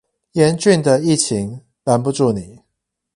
嚴峻的疫情攔不住你